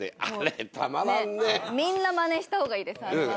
みんなまねした方がいいですあれは。